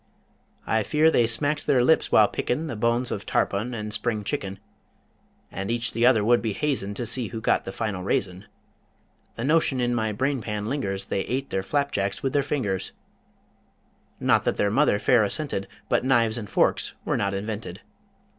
I fear they smacked their lips while pickin' The bones of tarpon and spring chicken, And each the other would be hazin' To see who got the final raisin. The notion in my brain pan lingers They ate their flapjacks with their fingers Not that their mother fair assented, But knives and forks were not invented.